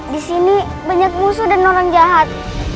di sini banyak musuh dan non jahat